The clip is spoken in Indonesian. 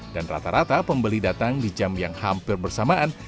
rata rata pembeli datang di jam yang hampir bersamaan